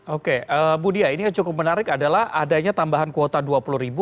oke budia ini yang cukup menarik adalah adanya tambahan kuota rp dua puluh